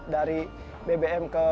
dari bbm ke bbm